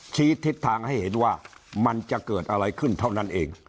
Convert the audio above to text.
ทิศทางให้เห็นว่ามันจะเกิดอะไรขึ้นเท่านั้นเอง